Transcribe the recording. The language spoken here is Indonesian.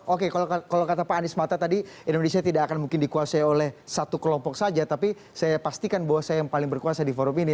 oke kalau kata pak anies mata tadi indonesia tidak akan mungkin dikuasai oleh satu kelompok saja tapi saya pastikan bahwa saya yang paling berkuasa di forum ini